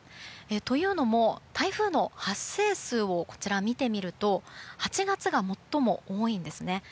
というのも台風の発生数を見てみると８月が最も多いんですね。